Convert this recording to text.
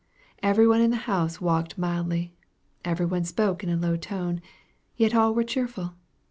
Every one in the house walked mildly. Every one spoke in a low tone. Yet all were cheerful.